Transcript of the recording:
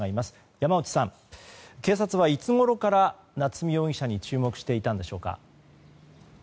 山内さん、警察はいつごろから夏見容疑者に注目していたんでしょうか。